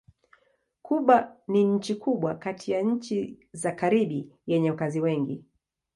Kuba ni nchi kubwa kati ya nchi za Karibi yenye wakazi wengi.